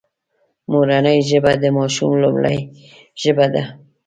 مورنۍ ژبه د ماشوم لومړۍ ژبه ده